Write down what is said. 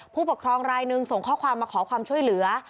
ผู้ปกครองรายหนึ่งส่งข้อความมาขอความช่วยเหลือ